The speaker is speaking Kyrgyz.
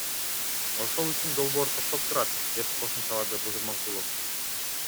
Ошол үчүн долбоор токтоп турат, — деп кошумчалады Бузурманкулов.